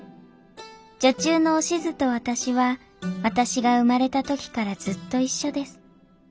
女中のおしづと私は私が生まれた時からずっと一緒です。